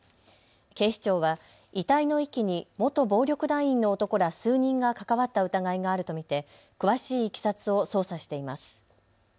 警視庁は遺体の遺棄に元暴力団員の男ら数人が関わった疑いがあると見て詳しいいきさつを捜査しています。